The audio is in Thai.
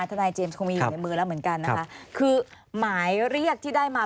ทนายเจมส์คงมีอยู่ในมือแล้วเหมือนกันนะคะคือหมายเรียกที่ได้มา